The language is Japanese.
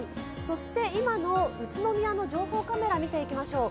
今の宇都宮の情報カメラを見ていきましょう。